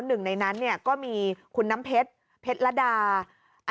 หนึ่งในนั้นเนี่ยก็มีคุณน้ำเพชรเพชรละดา